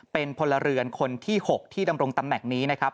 เป็นพลเรือนคนที่๖ที่ดำรงตำแหน่งนี้นะครับ